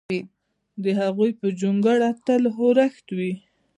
د هغوی پر جونګړه تل اورښت وي!